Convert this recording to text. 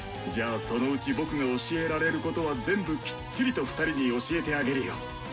じゃあそのうち僕が教えられることは全部きっちりと２人に教えてあげるよ！